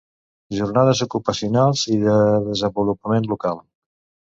Jornades ocupacionals i de desenvolupament local.